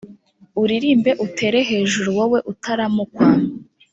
uririmbe utere hejuru wowe utaramukwa